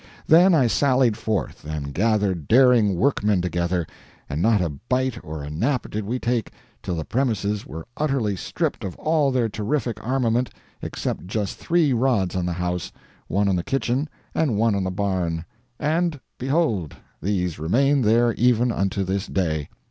Then I sallied forth, and gathered daring workmen together, and not a bite or a nap did we take till the premises were utterly stripped of all their terrific armament except just three rods on the house, one on the kitchen, and one on the barn and, behold, these remain there even unto this day.